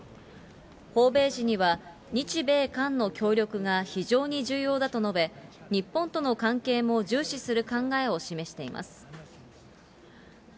訪米時には日米韓の協力が非常に重要だと述べ、日本との関係も重視する考えを示しています。